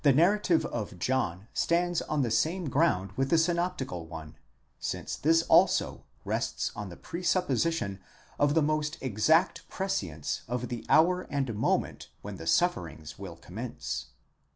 narrative of John stands on the same ground with the synoptical one, since this also rests on the presupposition of the most exact prescience of the hour and moment when the sufferings will commence.